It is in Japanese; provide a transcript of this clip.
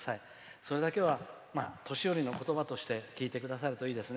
それだけは年寄りの言葉として聞いてくださるといいですね。